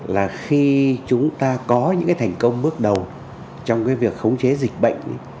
là khi chúng ta có những thành công bước đầu trong việc khống chế dịch bệnh